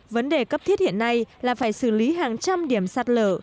vấn đề cấp thiết hiện nay là phải xử lý hàng trăm điểm sạt lở